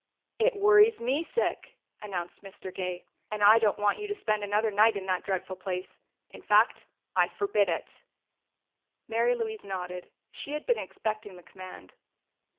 "It worries me sick!" announced Mr. Gay. "And I don't want you to spend another night at that dreadful place.... In fact, I forbid it!" Mary Louise nodded: she had been expecting the command.